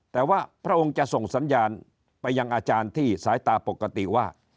แต่ว่าพระองค์จะส่งสัญญาณไปยังอาจารย์ที่สายตาปกติว่า